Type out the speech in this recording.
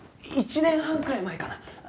１年半くらい前かな？